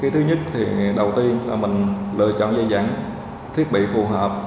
thứ nhất thì đầu tiên là mình lựa chọn dây dẫn thiết bị phù hợp